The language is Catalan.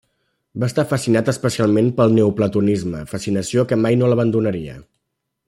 Va estar fascinat especialment pel neoplatonisme, fascinació que mai no l'abandonaria.